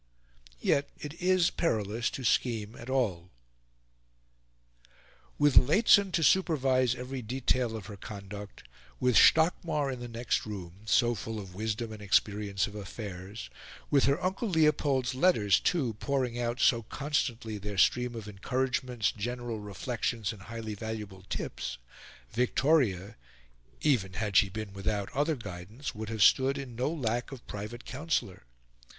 Yet it is perilous to scheme at all. With Lehzen to supervise every detail of her conduct, with Stockmar in the next room, so full of wisdom and experience of affairs, with her Uncle Leopold's letters, too, pouring out so constantly their stream of encouragements, general reflections, and highly valuable tips, Victoria, even had she been without other guidance, would have stood in no lack of private counsellor.